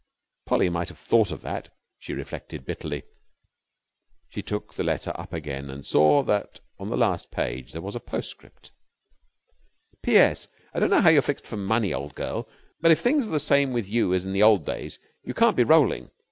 Polly might have thought of that, she reflected, bitterly. She took the letter up again and saw that on the last page there was a postscript PS. I don't know how you are fixed for money, old girl, but if things are the same with you as in the old days you can't be rolling.